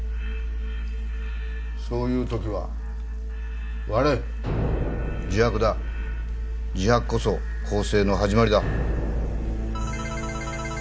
そういうときは割れ自白だ自白こそ更生の始まりだ